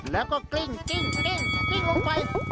แล้วก็กลิ้งลงไป